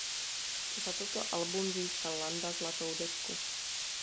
Za toto album získal Landa Zlatou desku.